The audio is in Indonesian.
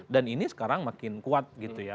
dan ini sekarang makin kuat gitu ya